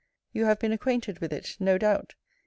You have been acquainted with it no doubt.